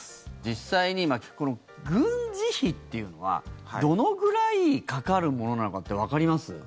実際に軍事費っていうのはどのくらいかかるものなのかってわかります？